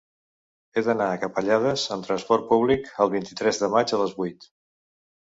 He d'anar a Capellades amb trasport públic el vint-i-tres de maig a les vuit.